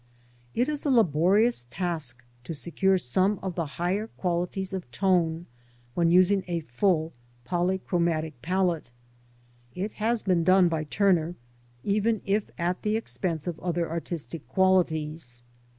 It is a laborious task to secure some of the higher qualities of tone when using a full polychromatic palette. It has been done by Turner, even if at the expense of other artistic qualities.